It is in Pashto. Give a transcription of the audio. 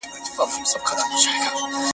که تاریخونه مو په ریشتیا وای ..